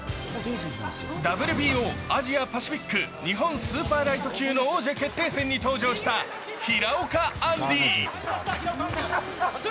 ＷＢＯアジア・パシフィック日本スーパーライト級の王者決定戦に登場した平岡アンディ。